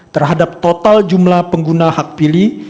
terhadap total jumlah pengguna hak pilih